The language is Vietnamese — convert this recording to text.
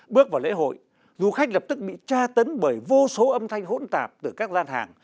bước vào lễ hội du khách lập tức bị tra tấn bởi vô số âm thanh hỗn tạp từ các gian hàng